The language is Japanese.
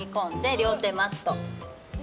両手マット。